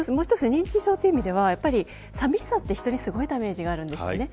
認知症というのは寂しさって人にすごいダメージがあるんですよね。